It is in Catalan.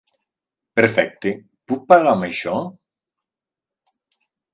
Perfecte, puc pagar amb això?